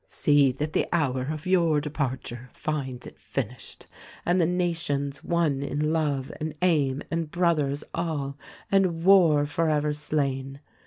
"See that the hour of your departure finds it finished and the Nations one in love and aim and Brothers all, and War forever slain.